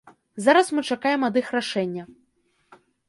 Зараз мы чакаем ад іх рашэння.